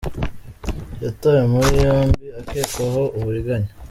Yatawe muri yombi akekwaho uburiganya